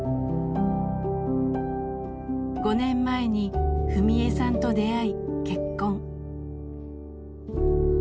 ５年前に史恵さんと出会い結婚。